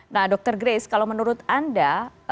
nah dr grace kalau menurut anda